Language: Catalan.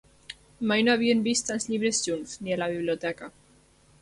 Mai no havien vist tants llibres junts, ni a la biblioteca.